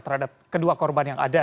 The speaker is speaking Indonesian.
terhadap kedua korban yang ada